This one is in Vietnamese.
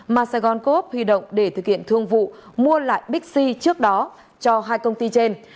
mà sài gòn coop huy động để thực hiện thương vụ mua lại bixi trước đó cho hai công ty trên